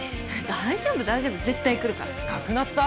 大丈夫大丈夫絶対来るからなくなった！？